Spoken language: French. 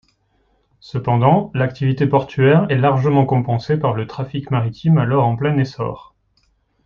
Cependant, l'activité portuaire est largement compensée par le trafic maritime alors en plein essor.